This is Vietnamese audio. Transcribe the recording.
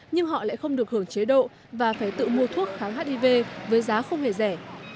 nhưng họ lại không được hưởng chế độ và phải tự mua thuốc kháng hiv với giá không hề rẻ